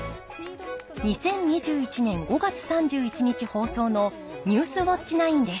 ２０２１年５月３１日放送の「ニュースウオッチ９」です。